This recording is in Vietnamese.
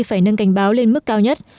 phải nâng cảnh báo lên mức cao nhất